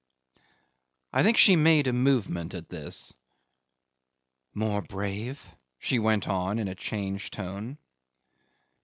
'I think she made a movement at this. "More brave," she went on in a changed tone.